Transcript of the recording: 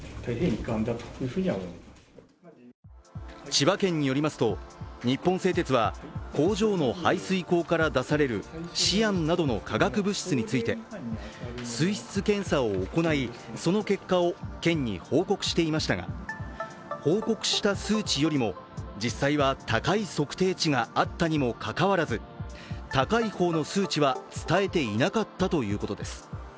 千葉県によりますと日本製鉄は工場の排水口から出されるシアンなどの化学物質について水質検査を行いその結果を県に報告していましたが、報告した数値よりも、実際は高い測定値があったにもかかわらず高い方の数値は伝えていなかったということです。